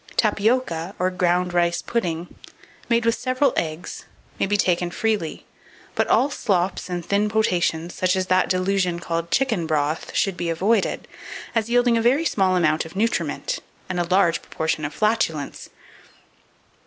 Tapioca, or ground rice pudding, made with several eggs, may be taken freely; but all slops and thin potations, such as that delusion called chicken broth, should be avoided, as yielding a very small amount of nutriment, and a large proportion of flatulence.